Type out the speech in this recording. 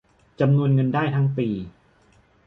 จำนวนเงินได้ทั้งปี